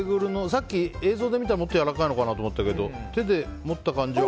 さっき映像で見たらもっとやわらかいのかなと思ったけど手で持った感じは。